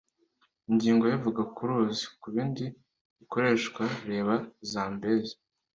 ingingo ye ivuga ku ruzi. kubindi bikoreshwa, reba zambezi